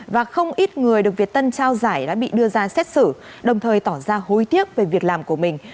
và không ít người được việt tân trao giải đã bị đưa ra xét xử đồng thời tỏ ra hối tiếc về việc làm của mình